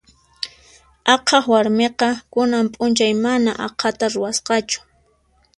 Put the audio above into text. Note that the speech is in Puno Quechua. Aqhaq warmiqa kunan p'unchay mana aqhata ruwasqachu.